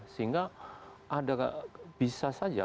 sehingga bisa saja